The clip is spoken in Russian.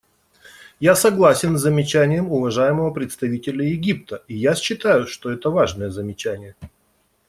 Я согласен с замечанием уважаемого представителя Египта, и я считаю, что это важное замечание.